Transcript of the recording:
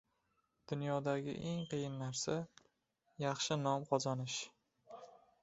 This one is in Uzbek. • Dunyodagi eng qiyin narsa — yaxshi nom qozonish.